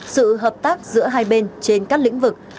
sự hợp tác giữa hai bên trên các lĩnh vực